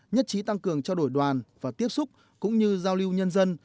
nhất trí tăng cường trao đổi đoàn và tiếp xúc cũng như giao lưu nhân dân